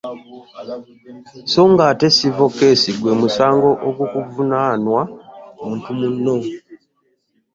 Songa ate “civil case” gw’emusango ogukuvunaanwa muntu muno.